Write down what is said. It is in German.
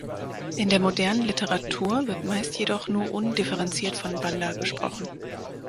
In der modernen Literatur wird meist jedoch nur undifferenziert von Banda gesprochen.